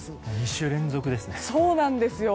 ２週連続ですね。